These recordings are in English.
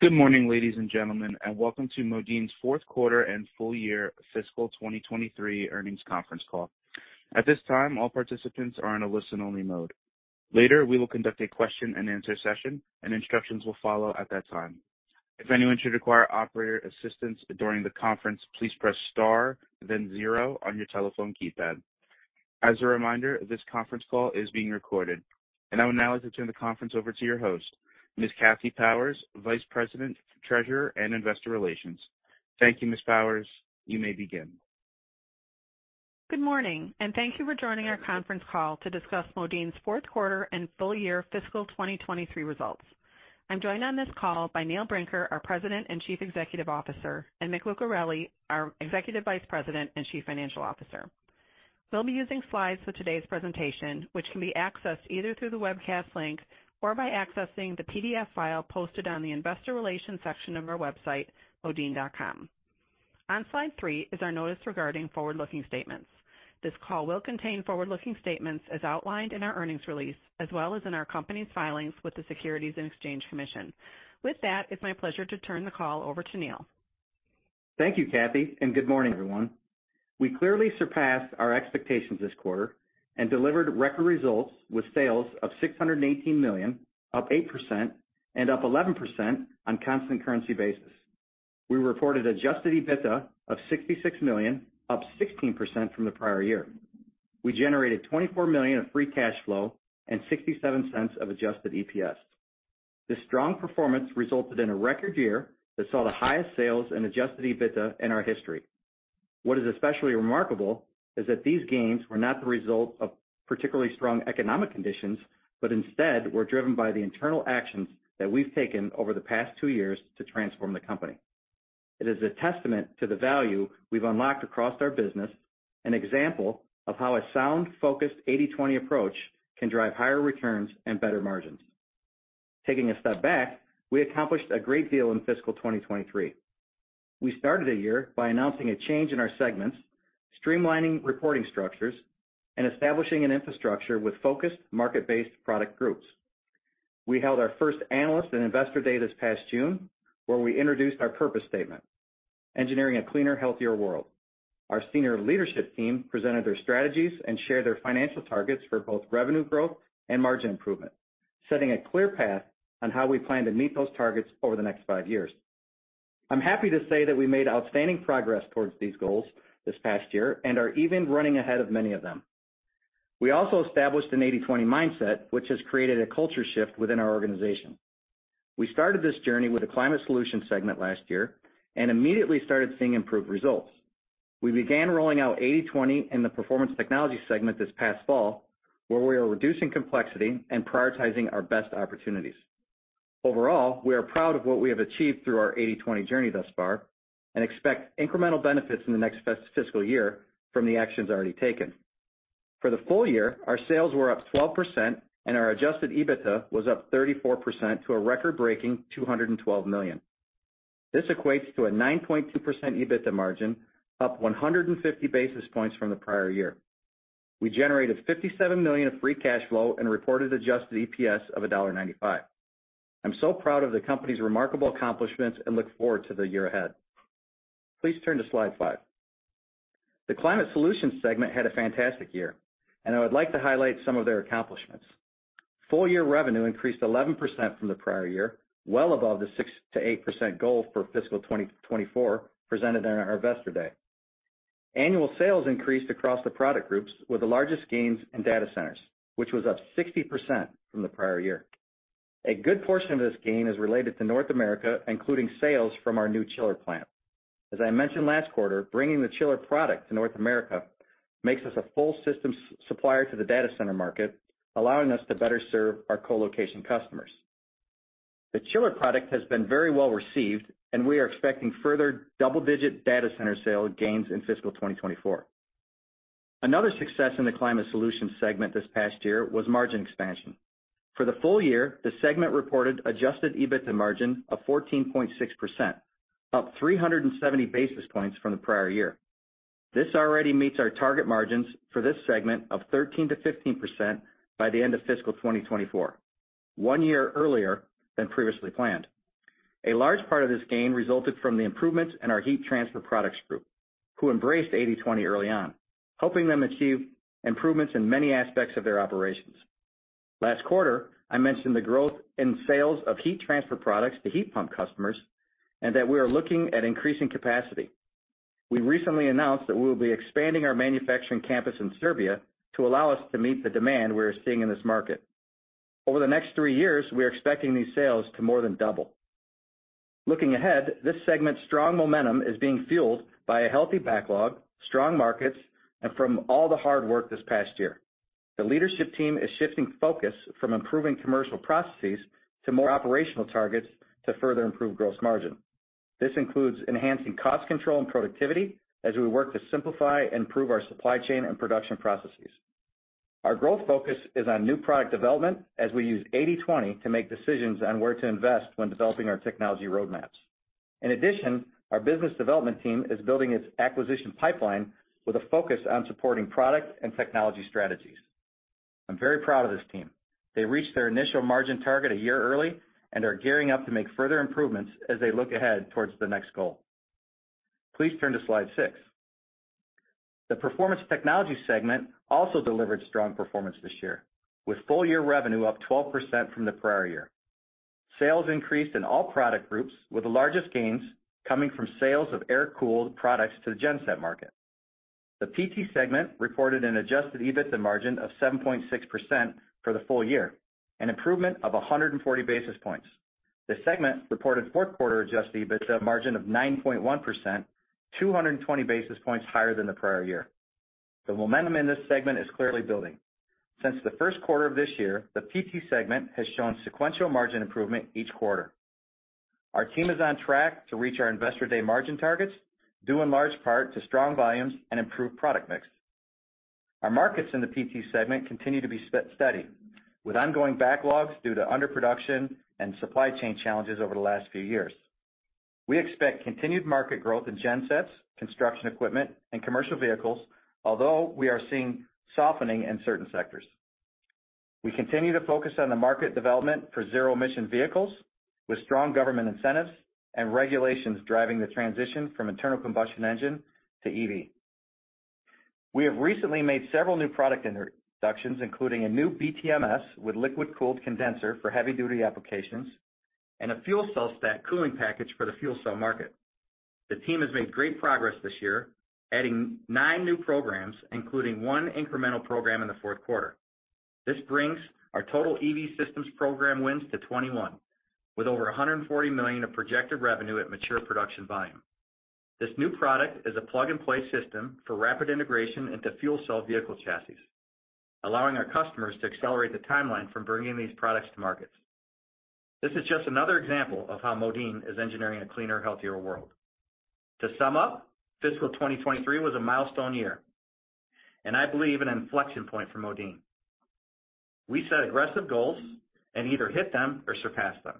Good morning, ladies and gentlemen, and welcome to Modine's Fourth Quarter and Full Year Fiscal 2023 Earnings Conference Call. At this time, all participants are in a listen-only mode. Later, we will conduct a question-and-answer session, and instructions will follow at that time. If anyone should require operator assistance during the conference, please press star, then zero on your telephone keypad. As a reminder, this conference call is being recorded. I would now like to turn the conference over to your host, Ms. Kathleen Powers, Vice President, Treasurer, and Investor Relations. Thank you, Ms. Powers. You may begin. Good morning, and thank you for joining our conference call to discuss Modine's fourth quarter and full year fiscal 2023 results. I'm joined on this call by Neil Brinker, our President and Chief Executive Officer, and Mick Lucareli, our Executive Vice President and Chief Financial Officer. We'll be using slides for today's presentation, which can be accessed either through the webcast link or by accessing the PDF file posted on the Investor Relations section of our website, modine.com. On slide three is our notice regarding forward-looking statements. This call will contain forward-looking statements as outlined in our earnings release, as well as in our company's filings with the Securities and Exchange Commission. With that, it's my pleasure to turn the call over to Neil. Thank you, Kathy. Good morning, everyone. We clearly surpassed our expectations this quarter and delivered record results with sales of $618 million, up 8%, and up 11% on a constant currency basis. We reported adjusted EBITDA of $66 million, up 16% from the prior year. We generated $24 million of free cash flow and $0.67 of adjusted EPS. This strong performance resulted in a record year that saw the highest sales and adjusted EBITDA in our history. What is especially remarkable is that these gains were not the result of particularly strong economic conditions, but instead were driven by the internal actions that we've taken over the past two years to transform the company. It is a testament to the value we've unlocked across our business, an example of how a sound-focused 80/20 approach can drive higher returns and better margins. Taking a step back, we accomplished a great deal in fiscal 2023. We started a year by announcing a change in our segments, streamlining reporting structures, and establishing an infrastructure with focused market-based product groups. We held our first Analyst and Investor Day this past June, where we introduced our purpose statement, "Engineering a cleaner, healthier world." Our senior leadership team presented their strategies and shared their financial targets for both revenue growth and margin improvement, setting a clear path on how we plan to meet those targets over the next five years. I'm happy to say that we made outstanding progress towards these goals this past year and are even running ahead of many of them. We also established an 80/20 mindset, which has created a culture shift within our organization. We started this journey with a Climate Solutions segment last year and immediately started seeing improved results. We began rolling out 80/20 in the Performance Technologies segment this past fall, where we are reducing complexity and prioritizing our best opportunities. Overall, we are proud of what we have achieved through our 80/20 journey thus far and expect incremental benefits in the next fiscal year from the actions already taken. For the full year, our sales were up 12% and our adjusted EBITDA was up 34% to a record-breaking $212 million. This equates to a 9.2% EBITDA margin, up 150 basis points from the prior year. We generated $57 million of free cash flow and reported adjusted EPS of $1.95. I'm so proud of the company's remarkable accomplishments and look forward to the year ahead. Please turn to slide five. The Climate Solutions segment had a fantastic year. I would like to highlight some of their accomplishments. Full-year revenue increased 11% from the prior year, well above the 6%-8% goal for fiscal 2024, presented at our Investor Day. Annual sales increased across the product groups, with the largest gains in data centers, which was up 60% from the prior year. A good portion of this gain is related to North America, including sales from our new chiller plant. As I mentioned last quarter, bringing the chiller product to North America makes us a full system supplier to the data center market, allowing us to better serve our colocation customers. The chiller product has been very well-received. We are expecting further double-digit data center sales gains in fiscal 2024. Another success in the Climate Solutions segment this past year was margin expansion. For the full year, the segment reported adjusted EBITDA margin of 14.6%, up 370 basis points from the prior year. This already meets our target margins for this segment of 13%-15% by the end of fiscal 2024, one year earlier than previously planned. A large part of this gain resulted from the improvements in our heat transfer products group, who embraced 80/20 early on, helping them achieve improvements in many aspects of their operations. Last quarter, I mentioned the growth in sales of heat transfer products to heat pump customers and that we are looking at increasing capacity. We recently announced that we will be expanding our manufacturing campus in Serbia to allow us to meet the demand we are seeing in this market. Over the next three years, we are expecting these sales to more than double. Looking ahead, this segment's strong momentum is being fueled by a healthy backlog, strong markets, and from all the hard work this past year. The leadership team is shifting focus from improving commercial processes to more operational targets to further improve gross margin. This includes enhancing cost control and productivity as we work to simplify and improve our supply chain and production processes. Our growth focus is on new product development as we use 80/20 to make decisions on where to invest when developing our technology roadmaps. In addition, our business development team is building its acquisition pipeline with a focus on supporting product and technology strategies. I'm very proud of this team. They reached their initial margin target a year early and are gearing up to make further improvements as they look ahead towards the next goal. Please turn to slide six. The Performance Technologies segment also delivered strong performance this year, with full year revenue up 12% from the prior year. Sales increased in all product groups, with the largest gains coming from sales of air-cooled products to the genset market. The PT segment reported an adjusted EBITDA margin of 7.6% for the full year, an improvement of 140 basis points. The segment reported fourth quarter adjusted EBITDA margin of 9.1%, 220 basis points higher than the prior year. The momentum in this segment is clearly building. Since the first quarter of this year, the PT segment has shown sequential margin improvement each quarter. Our team is on track to reach our Investor Day margin targets, due in large part to strong volumes and improved product mix. Our markets in the PT segment continue to be steady, with ongoing backlogs due to underproduction and supply chain challenges over the last few years. We expect continued market growth in gensets, construction equipment, and commercial vehicles, although we are seeing softening in certain sectors. We continue to focus on the market development for zero-emission vehicles, with strong government incentives and regulations driving the transition from internal combustion engine to EV. We have recently made several new product introductions, including a new BTMS with liquid-cooled condenser for heavy-duty applications and a fuel cell stack cooling package for the fuel cell market. The team has made great progress this year, adding nine new programs, including one incremental program in the fourth quarter. This brings our total EV systems program wins to 21, with over $140 million of projected revenue at mature production volume. This new product is a plug-and-play system for rapid integration into fuel cell vehicle chassis, allowing our customers to accelerate the timeline for bringing these products to market. This is just another example of how Modine is engineering a cleaner, healthier world. To sum up, fiscal 2023 was a milestone year, and I believe an inflection point for Modine. We set aggressive goals and either hit them or surpassed them.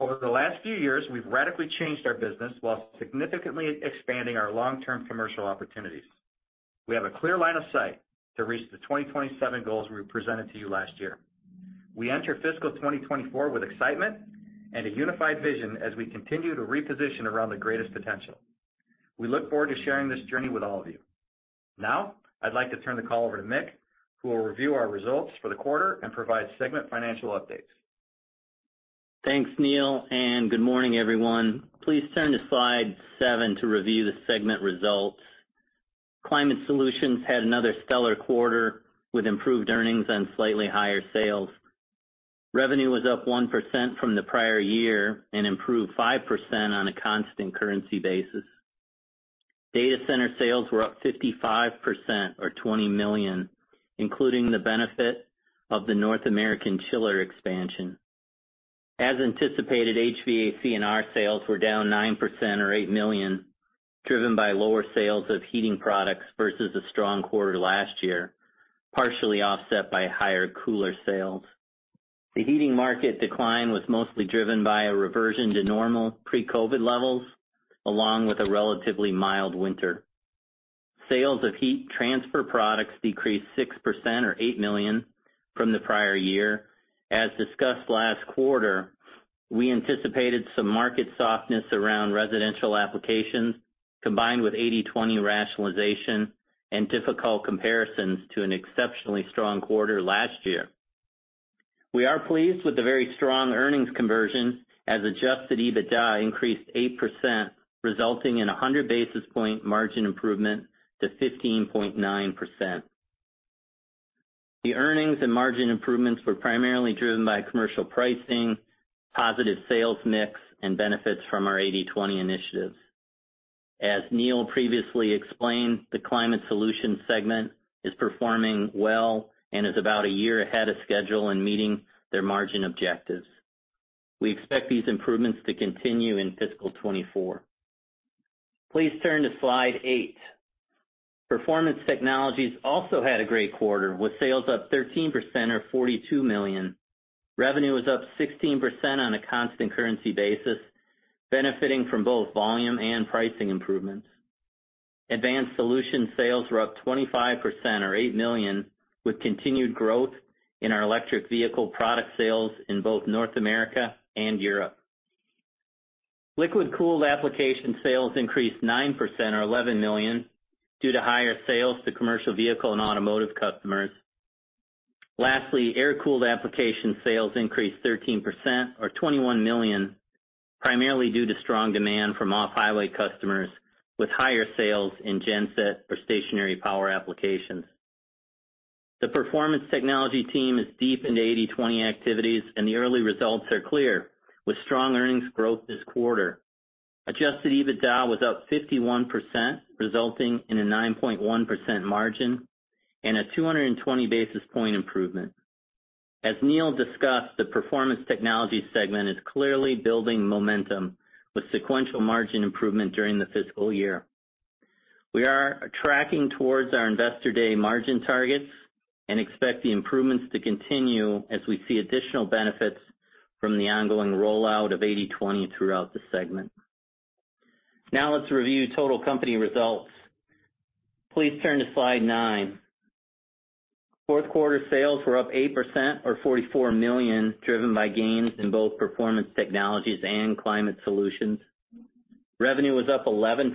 Over the last few years, we've radically changed our business while significantly expanding our long-term commercial opportunities. We have a clear line of sight to reach the 2027 goals we presented to you last year. We enter fiscal 2024 with excitement and a unified vision as we continue to reposition around the greatest potential. We look forward to sharing this journey with all of you. Now, I'd like to turn the call over to Mick, who will review our results for the quarter and provide segment financial updates. Thanks, Neil. Good morning, everyone. Please turn to slide seven to review the segment results. Climate Solutions had another stellar quarter, with improved earnings and slightly higher sales. Revenue was up 1% from the prior year and improved 5% on a constant currency basis. Data center sales were up 55%, or $20 million, including the benefit of the North American chiller expansion. As anticipated, HVAC&R sales were down 9% or $8 million, driven by lower sales of heating products versus a strong quarter last year, partially offset by higher cooler sales. The heating market decline was mostly driven by a reversion to normal pre-COVID levels, along with a relatively mild winter. Sales of heat transfer products decreased 6% or $8 million from the prior year. As discussed last quarter, we anticipated some market softness around residential applications, combined with 80/20 rationalization and difficult comparisons to an exceptionally strong quarter last year. We are pleased with the very strong earnings conversion, as adjusted EBITDA increased 8%, resulting in a 100 basis point margin improvement to 15.9%. The earnings and margin improvements were primarily driven by commercial pricing, positive sales mix, and benefits from our 80/20 initiatives. As Neil previously explained, the Climate Solutions segment is performing well and is about a year ahead of schedule in meeting their margin objectives. We expect these improvements to continue in fiscal 2024. Please turn to slide eight. Performance Technologies also had a great quarter, with sales up 13% or $42 million. Revenue was up 16% on a constant currency basis, benefiting from both volume and pricing improvements. Advanced Solution sales were up 25%, or $8 million, with continued growth in our electric vehicle product sales in both North America and Europe. Liquid-cooled application sales increased 9%, or $11 million, due to higher sales to commercial vehicle and automotive customers. Lastly, air-cooled application sales increased 13%, or $21 million, primarily due to strong demand from off-highway customers, with higher sales in genset or stationary power applications. The Performance Technology team is deep into 80/20 activities, and the early results are clear, with strong earnings growth this quarter. Adjusted EBITDA was up 51%, resulting in a 9.1% margin and a 220 basis point improvement. As Neil discussed, the Performance Technology segment is clearly building momentum, with sequential margin improvement during the fiscal year. We are tracking towards our Investor Day margin targets and expect the improvements to continue as we see additional benefits from the ongoing rollout of 80/20 throughout the segment. Let's review total company results. Please turn to slide nine. Fourth quarter sales were up 8% or $44 million, driven by gains in both Performance Technologies and Climate Solutions. Revenue was up 11%,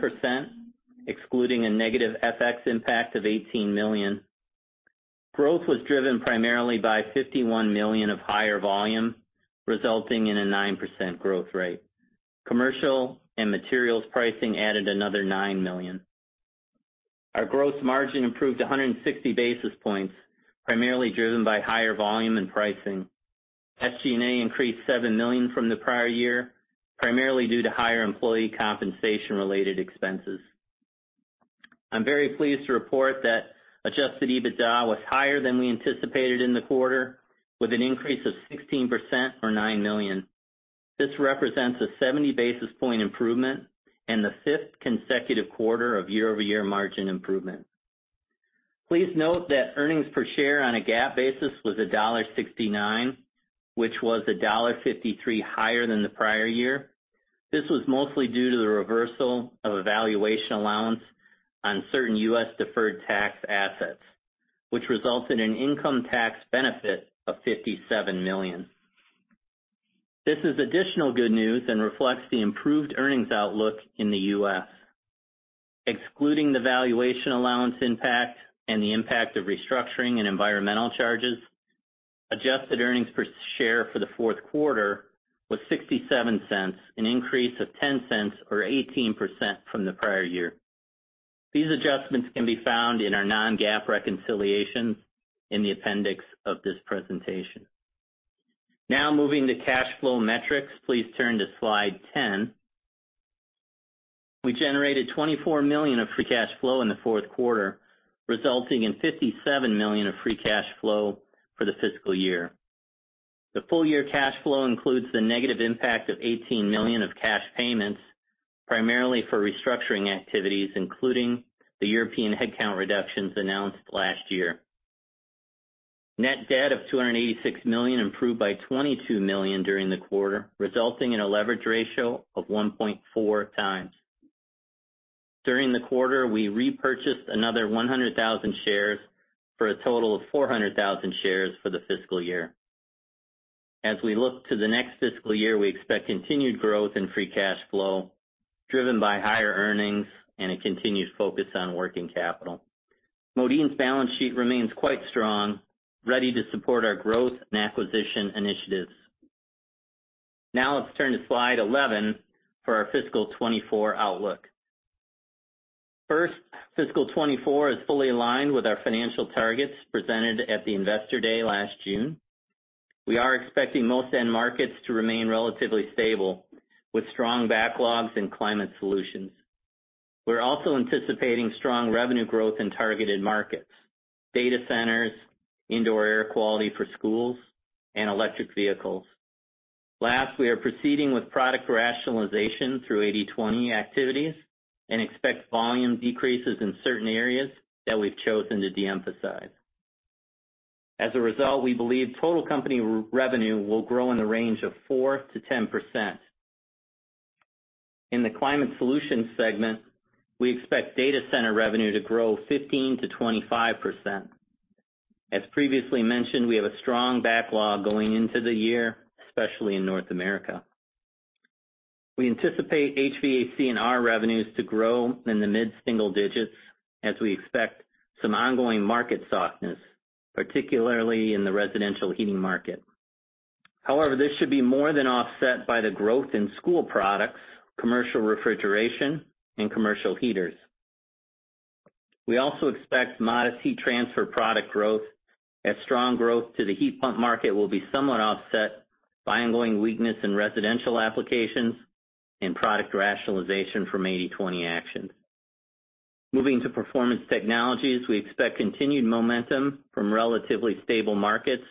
excluding a negative FX impact of $18 million. Growth was driven primarily by $51 million of higher volume, resulting in a 9% growth rate. Commercial and materials pricing added another $9 million. Our growth margin improved 160 basis points, primarily driven by higher volume and pricing. SG&A increased $7 million from the prior year, primarily due to higher employee compensation-related expenses. I'm very pleased to report that adjusted EBITDA was higher than we anticipated in the quarter, with an increase of 16% or $9 million. This represents a 70 basis point improvement and the fifth consecutive quarter of year-over-year margin improvement. Please note that earnings per share on a GAAP basis was $1.69, which was $1.53 higher than the prior year. This was mostly due to the reversal of a valuation allowance on certain U.S. deferred tax assets, which resulted in income tax benefit of $57 million. This is additional good news and reflects the improved earnings outlook in the U.S. Excluding the valuation allowance impact and the impact of restructuring and environmental charges, adjusted earnings per share for the fourth quarter was $0.67, an increase of $0.10 or 18% from the prior year. These adjustments can be found in our non-GAAP reconciliations in the appendix of this presentation. Moving to cash flow metrics. Please turn to slide 10. We generated $24 million of free cash flow in the fourth quarter, resulting in $57 million of free cash flow for the fiscal year. The full year cash flow includes the negative impact of $18 million of cash payments, primarily for restructuring activities, including the European headcount reductions announced last year. Net debt of $286 million improved by $22 million during the quarter, resulting in a leverage ratio of 1.4x. During the quarter, we repurchased another 100,000 shares for a total of 400,000 shares for the fiscal year. As we look to the next fiscal year, we expect continued growth in free cash flow, driven by higher earnings and a continued focus on working capital. Modine's balance sheet remains quite strong, ready to support our growth and acquisition initiatives. Let's turn to slide 11 for our fiscal 2024 outlook. Fiscal 2024 is fully aligned with our financial targets presented at the Investor Day last June. We are expecting most end markets to remain relatively stable, with strong backlogs in Climate Solutions. We're also anticipating strong revenue growth in targeted markets, data centers, indoor air quality for schools, and electric vehicles. We are proceeding with product rationalization through 80/20 activities and expect volume decreases in certain areas that we've chosen to de-emphasize. We believe total company re-revenue will grow in the range of 4%-10%. In the Climate Solutions segment, we expect data center revenue to grow 15%-25%. As previously mentioned, we have a strong backlog going into the year, especially in North America. We anticipate HVAC&R revenues to grow in the mid-single digits as we expect some ongoing market softness, particularly in the residential heating market. This should be more than offset by the growth in school products, commercial refrigeration, and commercial heaters. We also expect modest heat transfer product growth, as strong growth to the heat pump market will be somewhat offset by ongoing weakness in residential applications and product rationalization from 80/20 actions. Moving to Performance Technologies, we expect continued momentum from relatively stable markets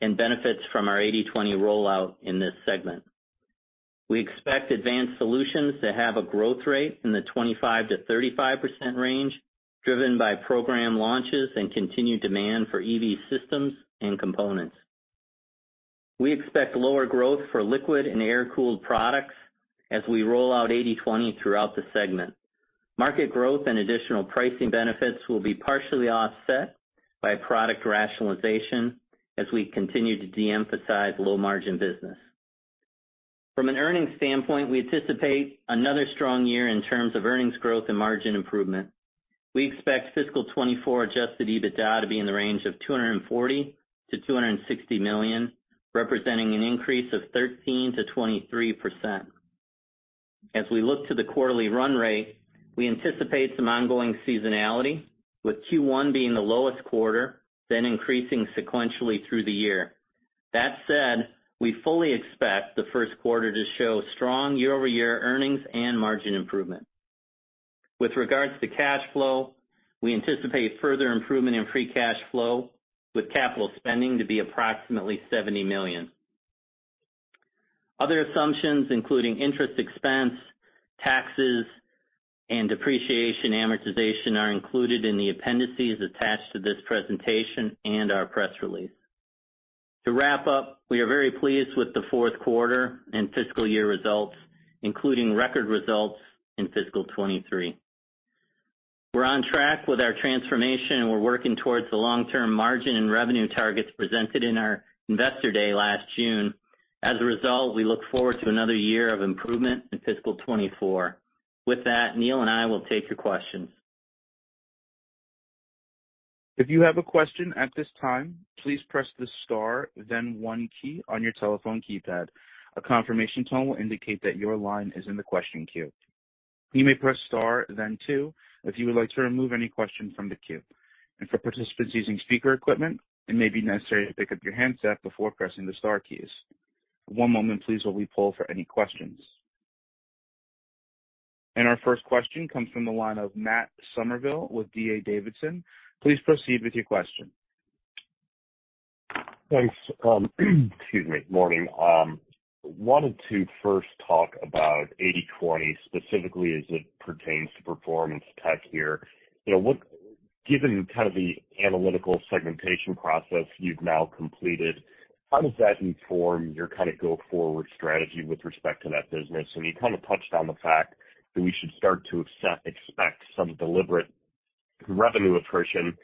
and benefits from our 80/20 rollout in this segment. We expect advanced solutions to have a growth rate in the 25%-35% range, driven by program launches and continued demand for EV systems and components. We expect lower growth for liquid and air-cooled products as we roll out 80/20 throughout the segment. Market growth and additional pricing benefits will be partially offset by product rationalization as we continue to de-emphasize low-margin business. From an earnings standpoint, we anticipate another strong year in terms of earnings growth and margin improvement. We expect fiscal 2024 adjusted EBITDA to be in the range of $240 million-$260 million, representing an increase of 13%-23%. As we look to the quarterly run rate, we anticipate some ongoing seasonality, with Q1 being the lowest quarter, then increasing sequentially through the year. That said, we fully expect the first quarter to show strong year-over-year earnings and margin improvement. With regards to cash flow, we anticipate further improvement in free cash flow, with capital spending to be approximately $70 million. Other assumptions, including interest expense, taxes, and depreciation amortization, are included in the appendices attached to this presentation and our press release.... To wrap up, we are very pleased with the fourth quarter and fiscal year results, including record results in fiscal 2023. We're on track with our transformation, and we're working towards the long-term margin and revenue targets presented in our Investor Day last June. As a result, we look forward to another year of improvement in fiscal 2024. With that, Neil and I will take your questions. If you have a question at this time, please press the star, then one key on your telephone keypad. A confirmation tone will indicate that your line is in the question queue. You may press star then two, if you would like to remove any question from the queue. For participants using speaker equipment, it may be necessary to pick up your handset before pressing the star keys. One moment, please, while we poll for any questions. Our first question comes from the line of Matt Summerville with D.A. Davidson. Please proceed with your question. Thanks. Excuse me. Morning, wanted to first talk about 80/20, specifically as it pertains to Performance Technologies here. You know, given kind of the analytical segmentation process you've now completed, how does that inform your kind of go-forward strategy with respect to that business? You kind of touched on the fact that we should start to expect some deliberate revenue attrition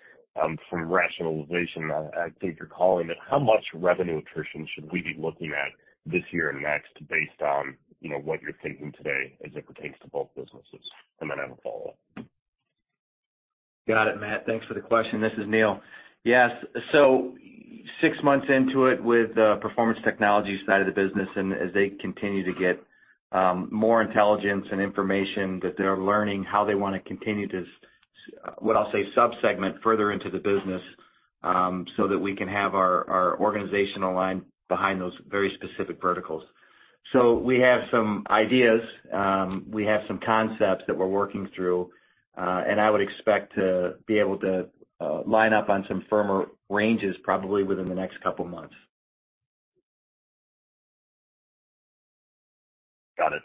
from rationalization, I think you're calling it. How much revenue attrition should we be looking at this year and next, based on, you know, what you're thinking today as it pertains to both businesses? Then I have a follow-up. Got it, Matt. Thanks for the question. This is Neil. Yes, six months into it, with the Performance Technologies side of the business, and as they continue to get more intelligence and information, that they're learning how they wanna continue to what I'll say, sub-segment further into the business, so that we can have our organization align behind those very specific verticals. We have some ideas, we have some concepts that we're working through, and I would expect to be able to line up on some firmer ranges, probably within the next couple of months. Got it.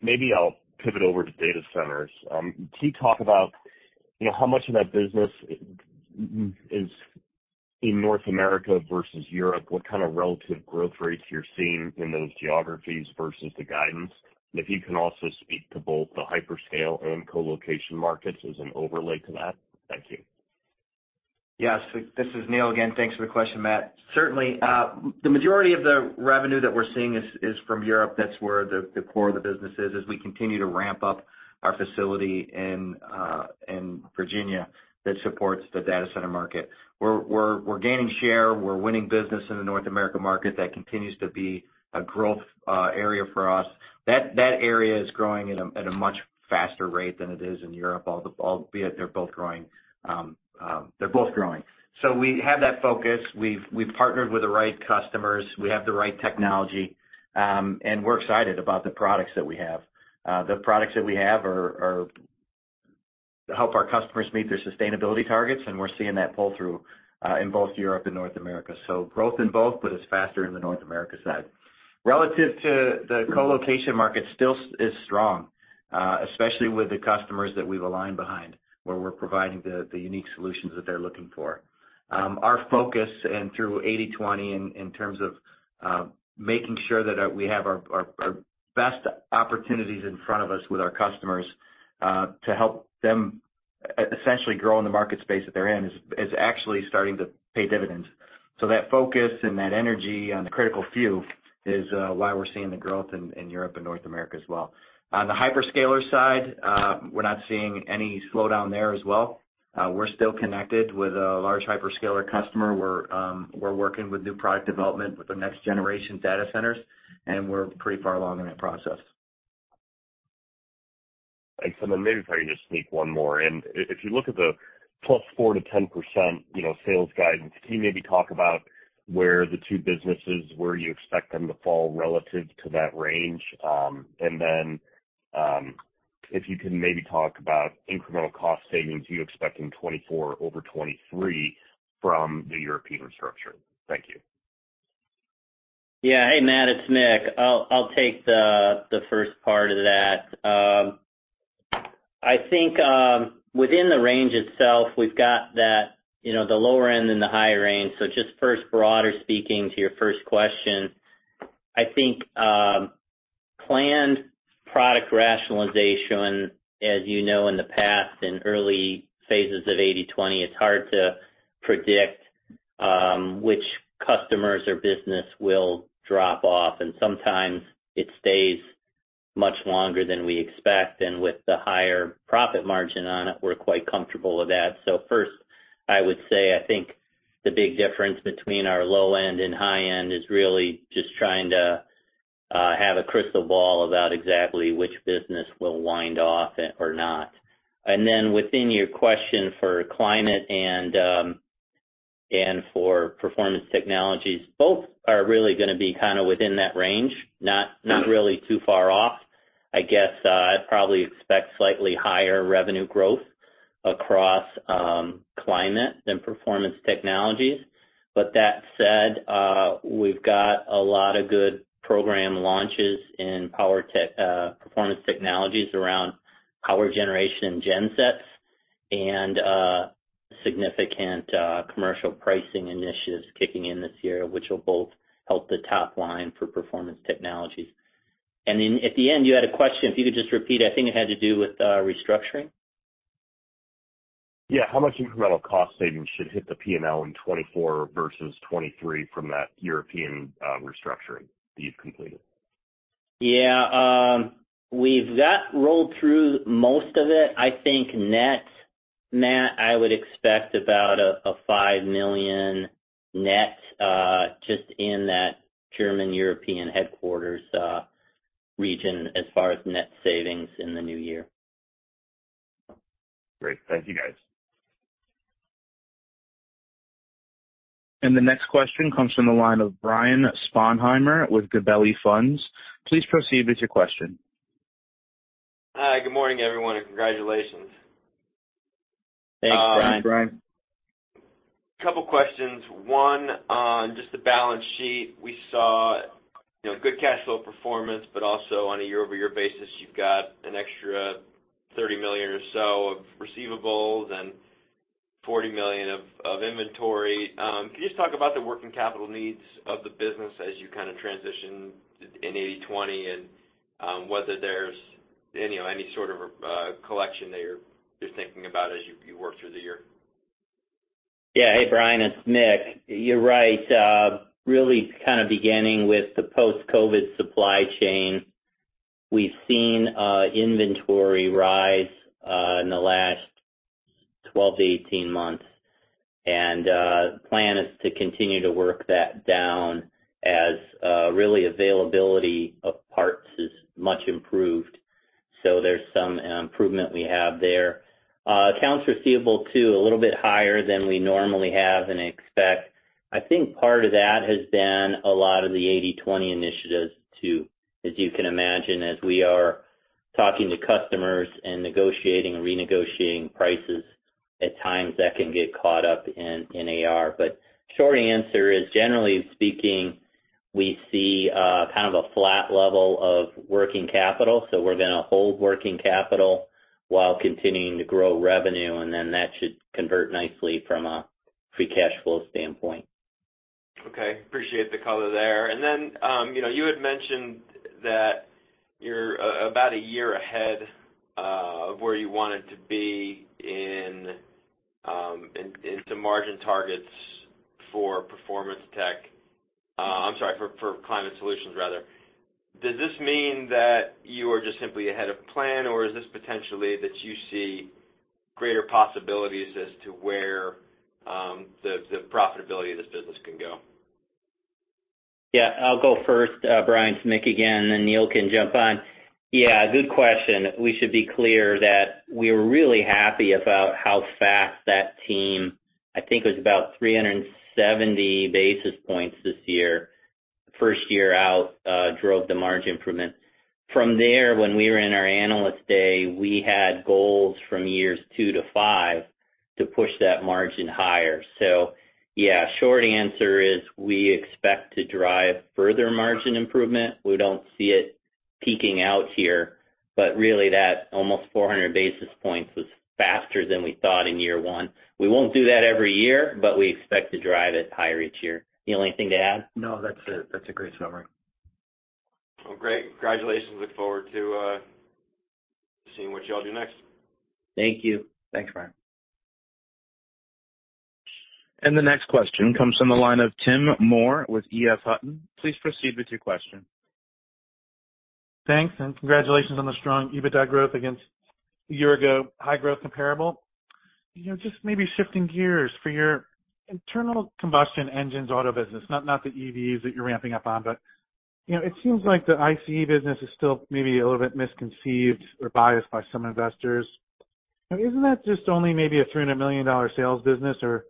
Maybe I'll pivot over to data centers. Can you talk about, you know, how much of that business is in North America versus Europe? What kind of relative growth rates you're seeing in those geographies versus the guidance? If you can also speak to both the hyperscale and colocation markets as an overlay to that. Thank you. Yes, this is Neil again. Thanks for the question, Matt. Certainly, the majority of the revenue that we're seeing is from Europe. That's where the core of the business is, as we continue to ramp up our facility in Virginia, that supports the data center market. We're gaining share, we're winning business in the North America market. That continues to be a growth area for us. That area is growing at a much faster rate than it is in Europe. Albeit they're both growing. We have that focus. We've partnered with the right customers. We have the right technology, and we're excited about the products that we have. The products that we have are... Help our customers meet their sustainability targets, we're seeing that pull through in both Europe and North America. Growth in both, but it's faster in the North America side. Relative to the colocation market, still is strong, especially with the customers that we've aligned behind, where we're providing the unique solutions that they're looking for. Our focus and through 80/20 in terms of making sure that we have our best opportunities in front of us with our customers to help them essentially grow in the market space that they're in, is actually starting to pay dividends. That focus and that energy on the critical few is why we're seeing the growth in Europe and North America as well. On the hyperscaler side, we're not seeing any slowdown there as well. We're still connected with a large hyperscaler customer. We're working with new product development with the next generation data centers, and we're pretty far along in that process. Thanks. Then maybe if I can just sneak one more in. If you look at the 4%-10%, you know, sales guidance, can you maybe talk about where the two businesses, where you expect them to fall relative to that range? If you can maybe talk about incremental cost savings you expect in 2024 over 2023 from the European restructure. Thank you. Yeah. Hey, Matt, it's Mick. I'll take the first part of that. I think, within the range itself, we've got that, you know, the lower end and the high range. Just first, broader speaking to your first question, I think, planned product rationalization, as you know, in the past, in early phases of 80/20, it's hard to predict, which customers or business will drop off, and sometimes it stays much longer than we expect. With the higher profit margin on it, we're quite comfortable with that. First, I would say, I think the big difference between our low end and high end is really just trying to have a crystal ball about exactly which business will wind off or not. Within your question for Climate Solutions and Performance Technologies, both are really going to be kind of within that range, not really too far off. I guess, I'd probably expect slightly higher revenue growth across Climate Solutions than Performance Technologies. That said, we've got a lot of good program launches in Performance Technologies around power generation and gensets and significant commercial pricing initiatives kicking in this year, which will both help the top line for Performance Technologies. At the end, you had a question. If you could just repeat, I think it had to do with restructuring? Yeah. How much incremental cost savings should hit the P&L in 2024 versus 2023 from that European restructuring that you've completed? We've got rolled through most of it. I think net, Matt, I would expect about a $5 million net, just in that German European headquarters, region as far as net savings in the new year. Great. Thank you, guys. The next question comes from the line of Brian Sponheimer with Gabelli Funds. Please proceed with your question. Hi, good morning, everyone, and congratulations. Thanks, Brian. Thanks, Brian. A couple questions. One, on just the balance sheet. We saw, you know, good cash flow performance, but also on a year-over-year basis, you've got an extra $30 million or so of receivables and $40 million of inventory. Can you just talk about the working capital needs of the business as you kind of transition in 80/20, and whether there's any sort of collection that you're thinking about as you work through the year? Yeah. Hey, Brian, it's Mick. You're right. Really kind of beginning with the post-COVID supply chain, we've seen inventory rise in the last 12-18 months, and the plan is to continue to work that down as really availability of parts is much improved. There's some improvement we have there. Accounts receivable, too, a little bit higher than we normally have and expect. I think part of that has been a lot of the 80/20 initiatives, too. As you can imagine, as we are talking to customers and negotiating and renegotiating prices, at times that can get caught up in AR. Short answer is, generally speaking, we see kind of a flat level of working capital, so we're going to hold working capital while continuing to grow revenue, and then that should convert nicely from a free cash flow standpoint. Okay, appreciate the color there. You know, you had mentioned that you're about a year ahead of where you wanted to be in the margin targets for Performance Tech. I'm sorry, for Climate Solutions, rather. Does this mean that you are just simply ahead of plan, or is this potentially that you see greater possibilities as to where, the profitability of this business can go? I'll go first, Brian, it's Mick again, and then Neil can jump on. Good question. We should be clear that we were really happy about how fast that team, I think it was about 370 basis points this year, first year out, drove the margin improvement. From there, when we were in our Analyst Day, we had goals from years two to five to push that margin higher. Short answer is we expect to drive further margin improvement. We don't see it peaking out here, but really, that almost 400 basis points was faster than we thought in year one. We won't do that every year, but we expect to drive it higher each year. Neil, anything to add? No, that's a great summary. Well, great. Congratulations. Look forward to seeing what you all do next. Thank you. Thanks, Brian. The next question comes from the line of Tim Moore with EF Hutton. Please proceed with your question. Thanks, congratulations on the strong EBITDA growth against year-ago high growth comparable. You know, just maybe shifting gears, for your internal combustion engines auto business, not the EVs that you're ramping up on, but, you know, it seems like the ICE business is still maybe a little bit misconceived or biased by some investors. I mean, isn't that just only maybe a $300 million sales business or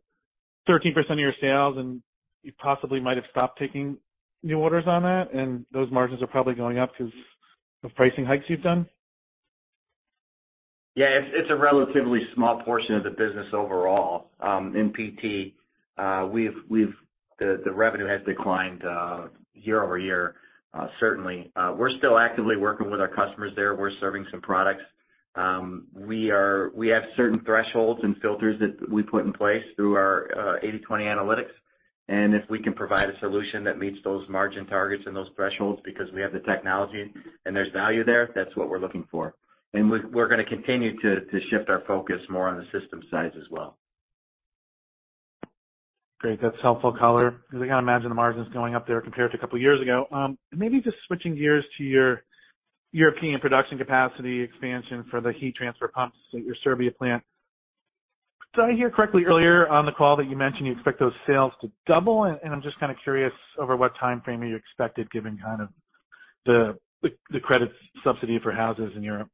13% of your sales, and you possibly might have stopped taking new orders on that, and those margins are probably going up because of pricing hikes you've done? Yeah. It's a relatively small portion of the business overall. In PT, the revenue has declined year-over-year, certainly. We're still actively working with our customers there. We're serving some products. We have certain thresholds and filters that we put in place through our 80/20 analytics, if we can provide a solution that meets those margin targets and those thresholds, because we have the technology and there's value there, that's what we're looking for. We're going to continue to shift our focus more on the system size as well. Great, that's helpful color, because I can't imagine the margins going up there compared to a couple of years ago. Maybe just switching gears to your European production capacity expansion for the heat transfer pumps at your Serbia plant. Did I hear correctly earlier on the call that you mentioned you expect those sales to double? I'm just kind of curious over what timeframe are you expected, given kind of the credit subsidy for houses in Europe?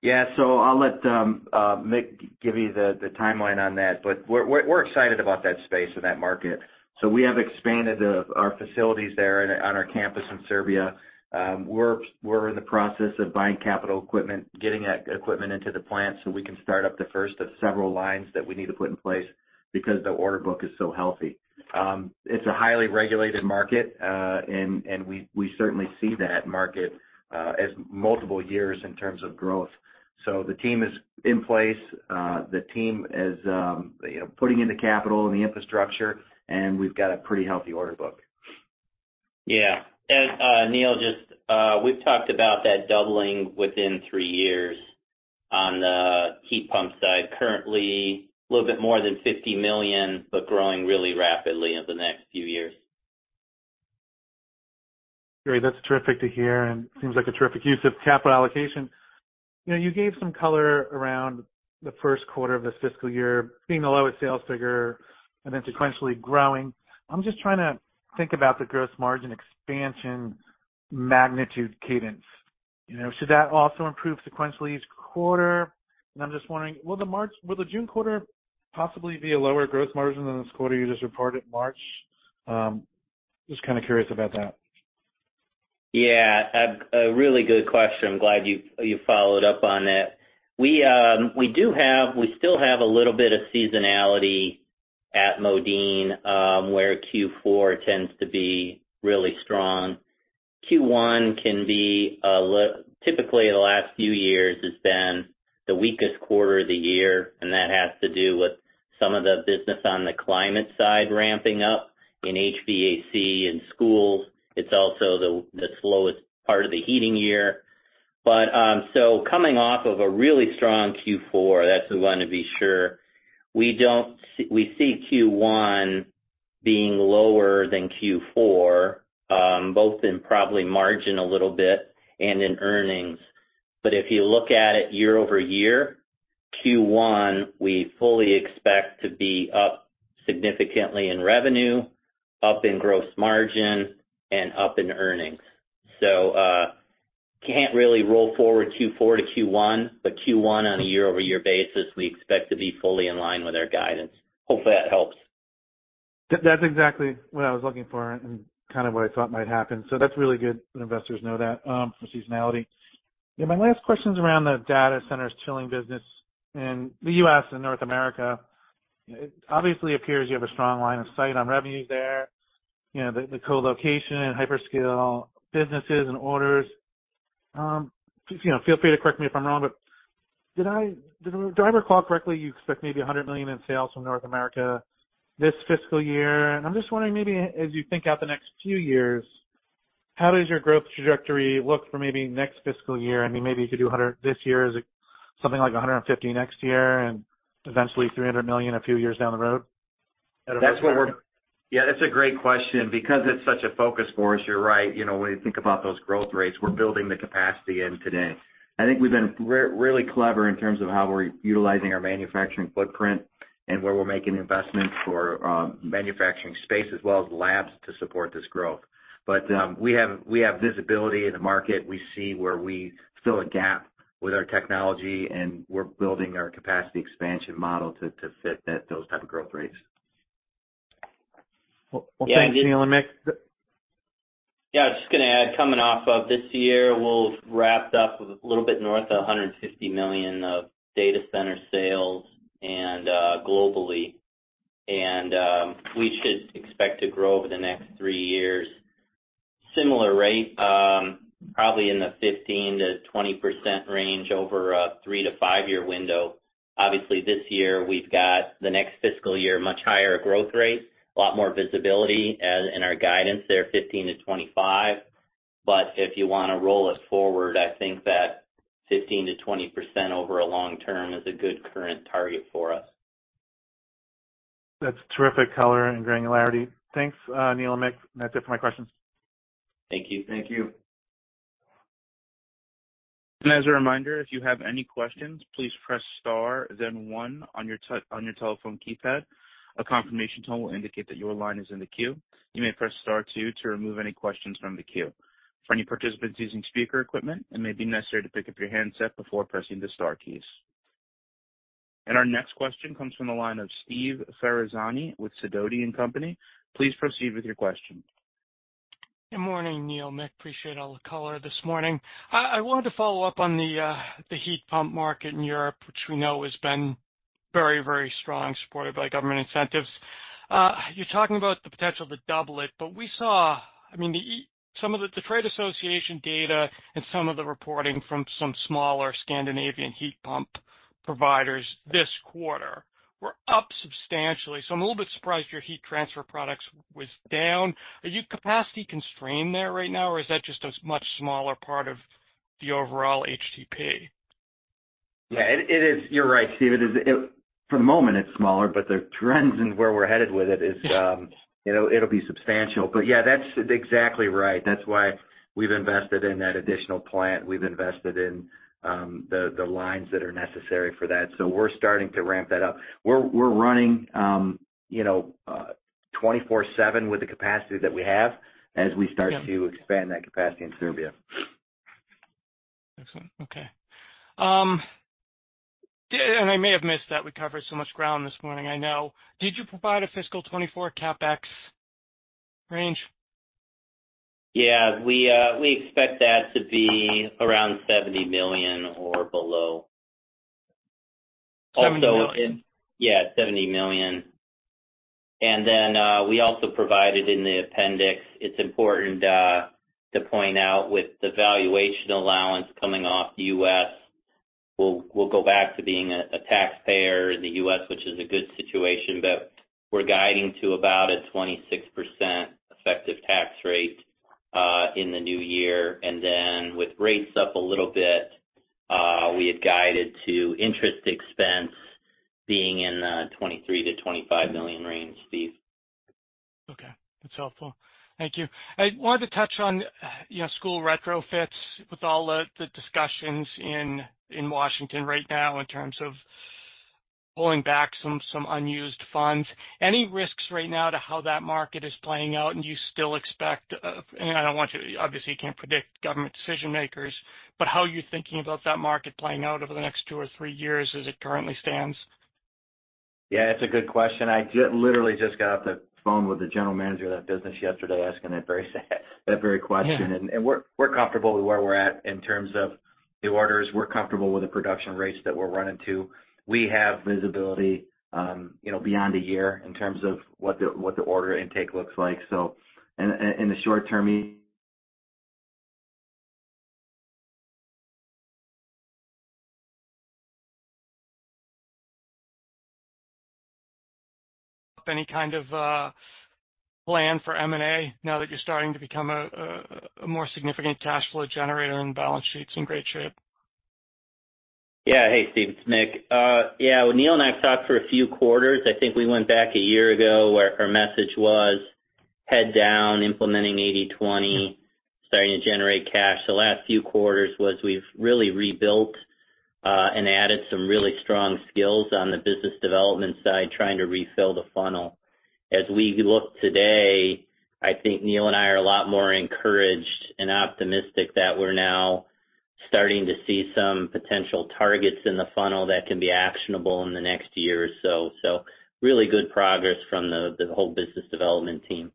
Yeah. I'll let Mick give you the timeline on that, but we're excited about that space and that market. We have expanded our facilities there on our campus in Serbia. We're in the process of buying capital equipment, getting that equipment into the plant so we can start up the first of several lines that we need to put in place because the order book is so healthy. It's a highly regulated market, and we certainly see that market as multiple years in terms of growth. The team is in place. The team is, you know, putting in the capital and the infrastructure, and we've got a pretty healthy order book.... Yeah, and Neil, just, we've talked about that doubling within three years on the heat pump side. Currently, a little bit more than $50 million, but growing really rapidly in the next few years. Great. That's terrific to hear and seems like a terrific use of capital allocation. You know, you gave some color around the first quarter of this fiscal year, seeing the lowest sales figure and sequentially growing. I'm just trying to think about the gross margin expansion, magnitude, cadence. You know, should that also improve sequentially each quarter? I'm just wondering, will the June quarter possibly be a lower growth margin than this quarter you just reported in March? Just kind of curious about that. Yeah, a really good question. I'm glad you followed up on it. We still have a little bit of seasonality at Modine where Q4 tends to be really strong. Q1 can be, typically the last few years, has been the weakest quarter of the year, and that has to do with some of the business on the climate side ramping up in HVAC and schools. It's also the slowest part of the heating year. Coming off of a really strong Q4, that's going to be sure we see Q1 being lower than Q4, both in probably margin a little bit and in earnings. If you look at it year-over-year, Q1, we fully expect to be up significantly in revenue, up in gross margin, and up in earnings. Can't really roll forward Q4 to Q1, but Q1 on a year-over-year basis, we expect to be fully in line with our guidance. Hopefully, that helps. That's exactly what I was looking for and kind of what I thought might happen. That's really good when investors know that, the seasonality. Yeah, my last question is around the data centers chilling business in the U.S. and North America. It obviously appears you have a strong line of sight on revenues there, you know, the co-location and hyperscale businesses and orders. You know, feel free to correct me if I'm wrong, but did I recall correctly, you expect maybe $100 million in sales from North America this fiscal year? I'm just wondering, maybe as you think out the next few years, how does your growth trajectory look for maybe next fiscal year? I mean, maybe you could do $100 million this year. Is it something like $150 million next year and eventually $300 million a few years down the road? That's a great question, because it's such a focus for us. You're right. You know, when you think about those growth rates, we're building the capacity in today. I think we've been really clever in terms of how we're utilizing our manufacturing footprint and where we're making investments for manufacturing space as well as labs to support this growth. We have visibility in the market. We see where we fill a gap with our technology, and we're building our capacity expansion model to fit that, those type of growth rates. Well, well, thanks, Neil and Mick. Yeah, I was just going to add, coming off of this year, we'll wrapped up with a little bit north of $150 million of data center sales globally. We should expect to grow over the next three years, similar rate, probably in the 15%-20% range over a three to five year window. Obviously, this year, we've got the next fiscal year, much higher growth rate, a lot more visibility as in our guidance there, 15%-25%. If you want to roll us forward, I think that 15%-20% over a long term is a good current target for us. That's terrific color and granularity. Thanks, Neil and Mick. That's it for my questions. Thank you. Thank you. As a reminder, if you have any questions, please press star, then one on your telephone keypad. A confirmation tone will indicate that your line is in the queue. You may press star two to remove any questions from the queue. For any participants using speaker equipment, it may be necessary to pick up your handset before pressing the star keys. Our next question comes from the line of Steve Ferazani with Sidoti & Company. Please proceed with your question. Good morning, Neil, Mick. Appreciate all the color this morning. I wanted to follow up on the heat pump market in Europe, which we know has been very, very strong, supported by government incentives. You're talking about the potential to double it, we saw, I mean, some of the trade association data and some of the reporting from some smaller Scandinavian heat pump providers this quarter were up substantially. I'm a little bit surprised your heat transfer products was down. Are you capacity constrained there right now, or is that just a much smaller part of the overall HTP? Yeah, it is. You're right, Steve. It is for the moment, it's smaller, but the trends in where we're headed with it is, you know, it'll be substantial. Yeah, that's exactly right. That's why we've invested in that additional plant. We've invested in the lines that are necessary for that. We're starting to ramp that up. We're running, you know, 24/7 with the capacity that we have as we start to expand that capacity in Serbia. Excellent. Okay. yeah, I may have missed that. We covered so much ground this morning, I know. Did you provide a fiscal 2024 CapEx range? Yeah, we expect that to be around $70 million or below. $70 million? Yeah, $70 million. We also provided in the appendix, it's important, with the valuation allowance coming off U.S., we'll go back to being a taxpayer in the U.S., which is a good situation. We're guiding to about a 26% effective tax rate in the new year. With rates up a little bit, we had guided to interest expense being in the $23 million-$25 million range, Steve. Okay, that's helpful. Thank you. I wanted to touch on, you know, school retrofits with all the discussions in Washington right now in terms of pulling back some unused funds. Any risks right now to how that market is playing out? Obviously, you can't predict government decision makers, how are you thinking about that market playing out over the next two or three years as it currently stands? Yeah, it's a good question. I just literally just got off the phone with the general manager of that business yesterday, asking that very question. Yeah. We're comfortable with where we're at in terms of new orders. We're comfortable with the production rates that we're running to. We have visibility, you know, beyond a year in terms of what the, what the order intake looks like. In the short term, Any kind of plan for M&A now that you're starting to become a more significant cash flow generator and balance sheet's in great shape? Hey, Steve, it's Mick. Neil and I have talked for a few quarters. I think we went back a year ago, where our message was head down, implementing 80/20, starting to generate cash. The last few quarters was we've really rebuilt and added some really strong skills on the business development side, trying to refill the funnel. As we look today, I think Neil and I are a lot more encouraged and optimistic that we're now starting to see some potential targets in the funnel that can be actionable in the next year or so. Really good progress from the whole business development team.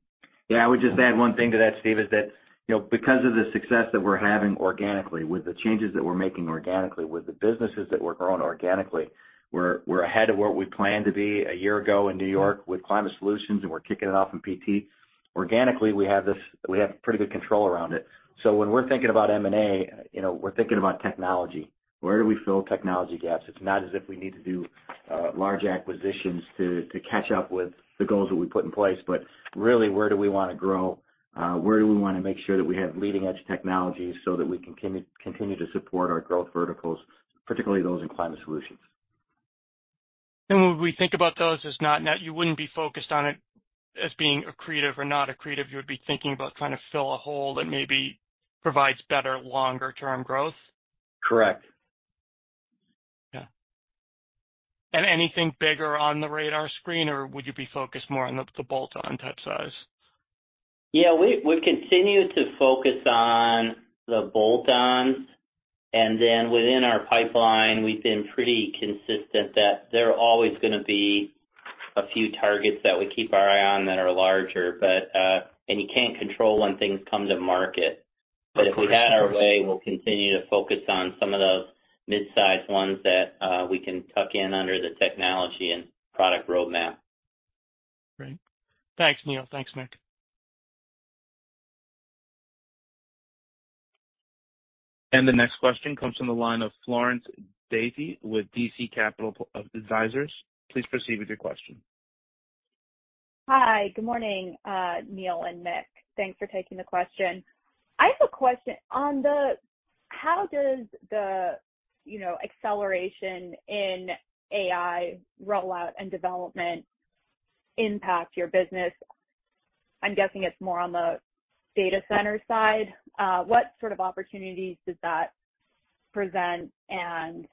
Yeah, I would just add one thing to that, Steve, is that, you know, because of the success that we're having organically, with the changes that we're making organically, with the businesses that we're growing organically, we're ahead of where we planned to be a year ago in New York with Climate Solutions, and we're kicking it off in PT. Organically, we have pretty good control around it. When we're thinking about M&A, you know, we're thinking about technology. Where do we fill technology gaps? It's not as if we need to do large acquisitions to catch up with the goals that we put in place, but really, where do we want to grow? Where do we want to make sure that we have leading-edge technology so that we can continue to support our growth verticals, particularly those in Climate Solutions? When we think about those, it's not that you wouldn't be focused on it as being accretive or not accretive, you would be thinking about trying to fill a hole that maybe provides better longer-term growth? Correct. Yeah. Anything bigger on the radar screen, or would you be focused more on the bolt-on type size? Yeah, we've continued to focus on the bolt-ons, and then within our pipeline, we've been pretty consistent that there are always going to be a few targets that we keep our eye on that are larger. You can't control when things come to market. Of course. If we had our way, we'll continue to focus on some of the mid-sized ones that we can tuck in under the technology and product roadmap. Great. Thanks, Neil. Thanks, Mick. The next question comes from the line of Florence Dethy with D.C. Capital Advisors. Please proceed with your question. Hi, good morning, Neil and Mick. Thanks for taking the question. I have a question how does the, you know, acceleration in AI rollout and development impact your business? I'm guessing it's more on the data center side. What sort of opportunities does that present, and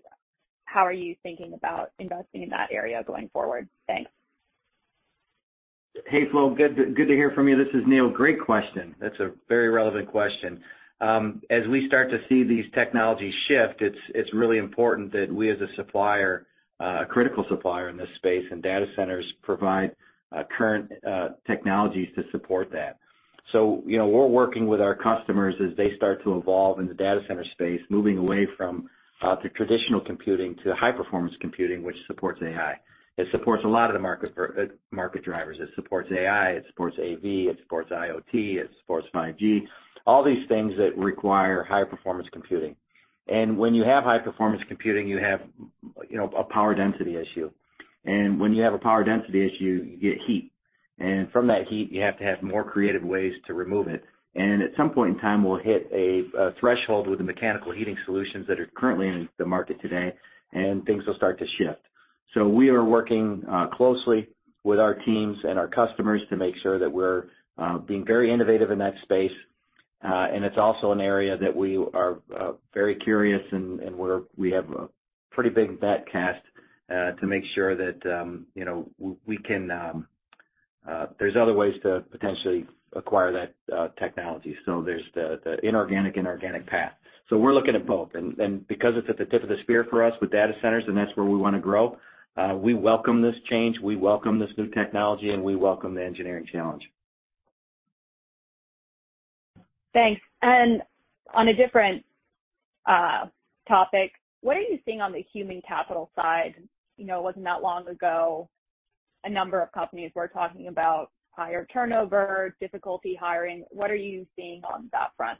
how are you thinking about investing in that area going forward? Thanks. Hey, Flo, good to hear from you. This is Neil. Great question. That's a very relevant question. As we start to see these technologies shift, it's really important that we, as a supplier, a critical supplier in this space, and data centers provide current technologies to support that. You know, we're working with our customers as they start to evolve in the data center space, moving away from the traditional computing to high-performance computing, which supports AI. It supports a lot of the market drivers. It supports AI, it supports AV, it supports IoT, it supports 5G, all these things that require high-performance computing. When you have high-performance computing, you have, you know, a power density issue, when you have a power density issue, you get heat. From that heat, you have to have more creative ways to remove it. At some point in time, we'll hit a threshold with the mechanical heating solutions that are currently in the market today, and things will start to shift. We are working closely with our teams and our customers to make sure that we're being very innovative in that space. It's also an area that we are very curious and where we have a pretty big bet cast to make sure that, you know, there's other ways to potentially acquire that technology. There's the inorganic and organic path. We're looking at both, and because it's at the tip of the spear for us with data centers, and that's where we want to grow, we welcome this change, we welcome this new technology, and we welcome the engineering challenge. Thanks. Topic. What are you seeing on the human capital side? You know, it wasn't that long ago, a number of companies were talking about higher turnover, difficulty hiring. What are you seeing on that front?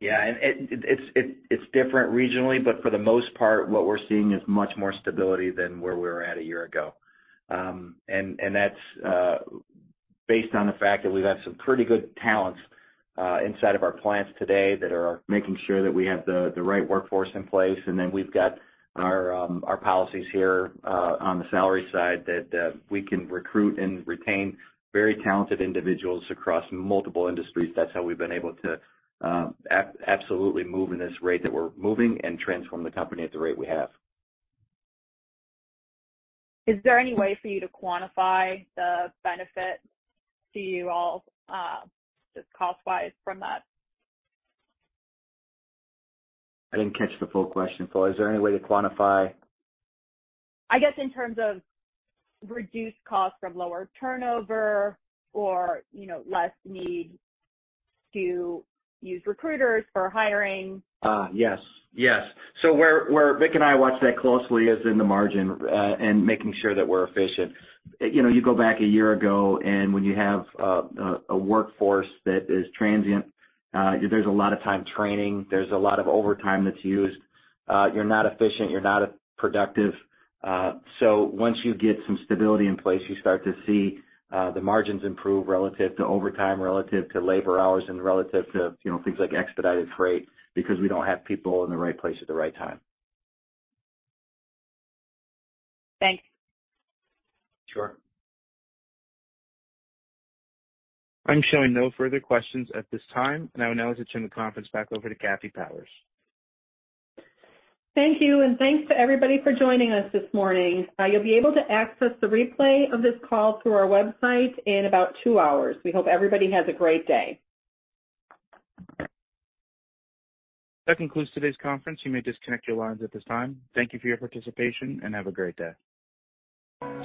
It's different regionally, but for the most part, what we're seeing is much more stability than where we were at a year ago. That's based on the fact that we've got some pretty good talents inside of our plants today, that are making sure that we have the right workforce in place. Then we've got our policies here on the salary side, that we can recruit and retain very talented individuals across multiple industries. That's how we've been able to absolutely move in this rate that we're moving and transform the company at the rate we have. Is there any way for you to quantify the benefit to you all, just cost-wise from that? I didn't catch the full question, so is there any way to quantify? I guess, in terms of reduced costs from lower turnover or, you know, less need to use recruiters for hiring. Yes. Yes. Where Mick and I watch that closely is in the margin, and making sure that we're efficient. You know, you go back a year ago, and when you have a workforce that is transient, there's a lot of time training, there's a lot of overtime that's used. You're not efficient, you're not as productive. Once you get some stability in place, you start to see the margins improve relative to overtime, relative to labor hours, and relative to, you know, things like expedited freight, because we don't have people in the right place at the right time. Thanks. Sure. I'm showing no further questions at this time, and I would now like to turn the conference back over to Kathy Powers. Thank you. Thanks to everybody for joining us this morning. You'll be able to access the replay of this call through our website in about two hours. We hope everybody has a great day. That concludes today's conference. You may disconnect your lines at this time. Thank you for your participation, and have a great day.